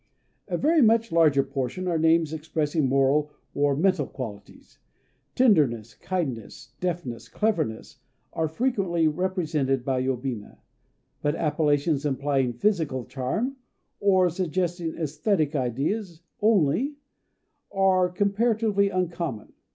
A very much larger proportion are names expressing moral or mental qualities. Tenderness, kindness, deftness, cleverness, are frequently represented by yobina; but appellations implying physical charm, or suggesting æsthetic ideas only, are comparatively uncommon.